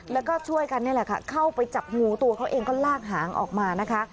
แล้วก็ช่วยกันนี่แหละค่ะเข้าไปจับงูตัวเขาเองก็ลากหางออกมานะคะ